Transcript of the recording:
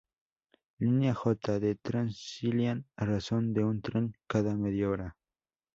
Línea J, del Transilien, a razón de un tren cada media hora.